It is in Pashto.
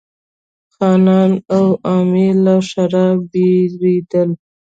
خانان او عوام یې له ښرا بېرېدل.